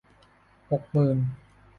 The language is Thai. หกหมื่น